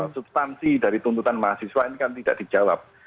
substansi dari tuntutan mahasiswa ini kan tidak dijawab